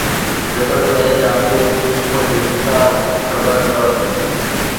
jail ۾، Yaqub Yusuf جي ڪا خبر نه ورتي